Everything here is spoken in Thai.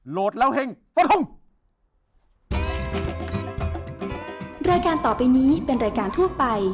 โหลดแล้วเฮ่งสวัสดีครับ